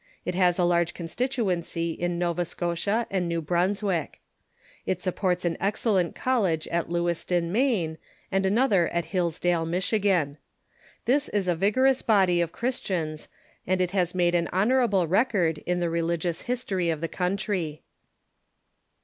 It has a large constituency in Nova Scotia and New Brunswick. It supports an excellent college at Lew OTHER DENOMINATIONS 569 iston, Maine, and another at Hillsdale, Michigan. This is a vigorous body of Christians, and it has made an honorable record in the religious history of the countr\'.